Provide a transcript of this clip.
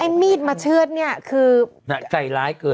ไอ้มีดมาเชื่อดเนี่ยคือ